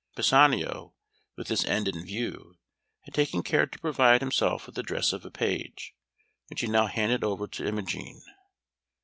Pisanio, with this end in view, had taken care to provide himself with the dress of a page, which he now handed over to Imogen.